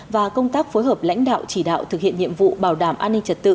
và công tác phối hợp lãnh đạo chỉ đạo thực hiện nhiệm vụ bảo đảm an ninh trật tự